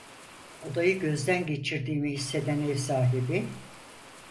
Odayı gözden geçirdiğimi hisseden ev sahibi: